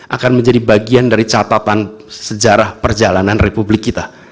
akan menjadi bagian dari catatan sejarah perjalanan republik kita